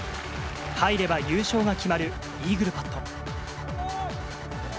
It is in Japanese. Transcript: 入れば優勝が決まる、イーグルパット。